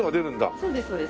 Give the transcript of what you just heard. そうですそうです。